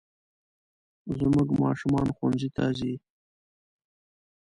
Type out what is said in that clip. زموږ ماشومان ښوونځي ته ځي